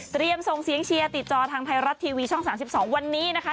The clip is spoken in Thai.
ส่งเสียงเชียร์ติดจอทางไทยรัฐทีวีช่อง๓๒วันนี้นะคะ